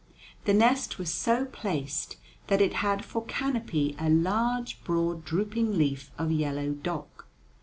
The nest was so placed that it had for canopy a large, broad, drooping leaf of yellow dock.